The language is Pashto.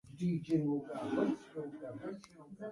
الکول خوب ګډوډوي.